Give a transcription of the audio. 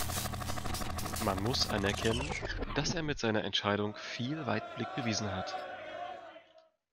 Man muss anerkennen, dass er mit seiner Entscheidung viel Weitblick bewiesen hat.